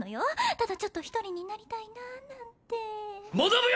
ただちょっと一人になりたいななんて問答無用！